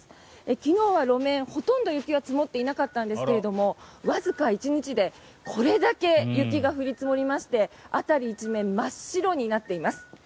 昨日は路面ほとんど積もっていなかったんですがわずか１日でこれだけ雪が降り積もりまして辺り一面真っ白になっています。